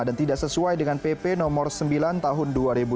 dan tidak sesuai dengan pp nomor sembilan tahun dua ribu dua belas